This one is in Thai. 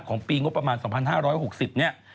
ปีงบประมาณ๒๕๖๐เนี่ย